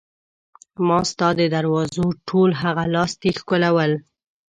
ما ستا د دروازو ټول هغه لاستي ښکلول.